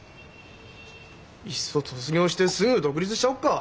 いっそ卒業してすぐ独立しちゃおっか？